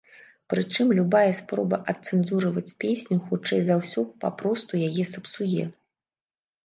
Прычым, любая спроба адцэнзураваць песню, хутчэй за ўсё, папросту яе сапсуе.